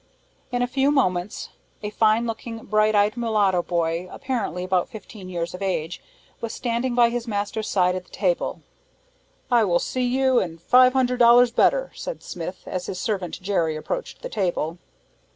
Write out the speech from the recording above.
In a few moments a fine looking, bright eyed mulatto boy, apparently about fifteen years of age, was standing by his master's side at the table. "I will see you, and five hundred dollars better," said Smith, as his servant Jerry approached the table.